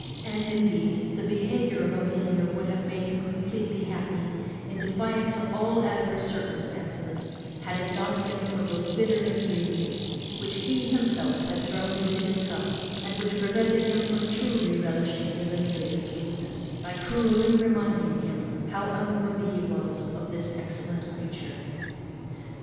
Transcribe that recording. And, indeed, the behaviour of Amelia would have made him completely happy, in defiance of all adverse circumstances, had it not been for those bitter ingredients which he himself had thrown into his cup, and which prevented him from truly relishing his Amelia's sweetness, by cruelly reminding him how unworthy he was of this excellent creature.